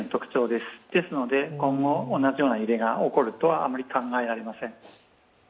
ですので今後、同じような揺れが起こるとはあまり考えられません。